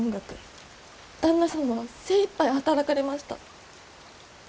旦那様は精いっぱい働かれました。